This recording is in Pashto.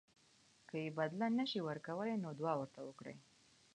که یې بدله نه شئ ورکولی نو دعا ورته وکړئ.